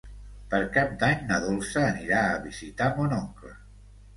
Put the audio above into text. Per Cap d'Any na Dolça anirà a visitar mon oncle.